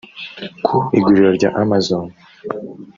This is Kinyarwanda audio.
Ku iguriro rya ‘Amazon’